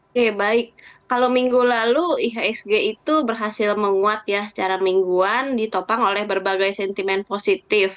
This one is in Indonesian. oke baik kalau minggu lalu ihsg itu berhasil menguat ya secara mingguan ditopang oleh berbagai sentimen positif